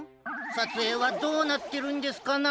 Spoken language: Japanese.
さつえいはどうなってるんですかな？